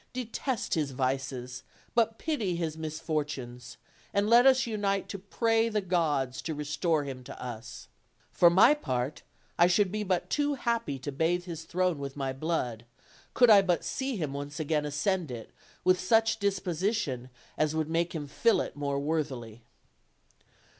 Detest his vices, but pity his misfortunes; and let us unite to pray the gods to re store him to us. For my part I should be but too happy to bathe his throne with my blood, could I but see him once again ascend it with such dispositions as would make him fill it more worthily."